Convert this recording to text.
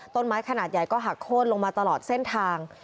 ขนาดใหญ่ก็หักโค้นลงมาตลอดเส้นทาง